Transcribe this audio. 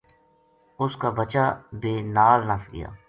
اس کا بچا بے نال نس گیا